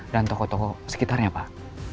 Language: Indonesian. toko toko sekitarnya pak